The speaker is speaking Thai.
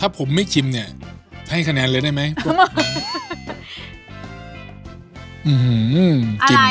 ถ้าผมไม่ชิมเนี่ยให้คะแนนเลยได้ไหม